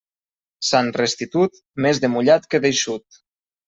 Sant Restitut, més de mullat que d'eixut.